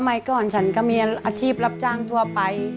ใหม่ก่อนฉันก็มีอาชีพรับจ้างทั่วไป